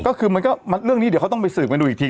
ก็คือมันก็เรื่องนี้เดี๋ยวเขาต้องไปสืบกันดูอีกที